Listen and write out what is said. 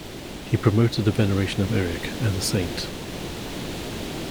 He promoted the veneration of Eric as a saint.